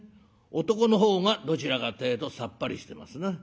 男の方がどちらかってえとさっぱりしてますな。